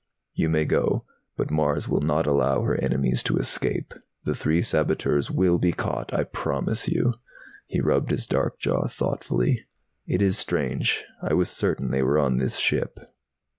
"You may go But Mars will not allow her enemies to escape. The three saboteurs will be caught, I promise you." He rubbed his dark jaw thoughtfully. "It is strange. I was certain they were on this ship."